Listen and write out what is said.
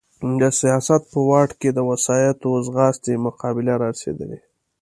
د سیاست په واټ کې د وسایطو ځغاستې مقابله را رسېدلې.